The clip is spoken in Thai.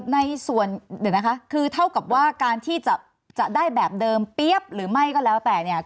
ในส่วนเดี๋ยวนะคะคือเท่ากับว่าการที่จะได้แบบเดิมเปี๊ยบหรือไม่ก็แล้วแต่เนี่ย